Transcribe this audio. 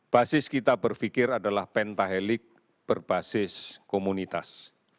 basis kita berpikir adalah pentahelik berbasis komunitas